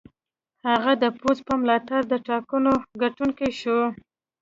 هغه د پوځ په ملاتړ د ټاکنو ګټونکی شو.